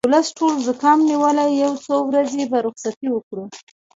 ولس ټول زوکام نیولی یو څو ورځې به رخصتي وکړو